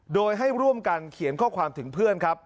โดยให้ร่วมกันเขียนข้อความถึงเพื่อนครับ